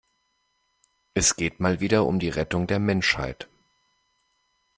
Es geht mal wieder um die Rettung der Menschheit.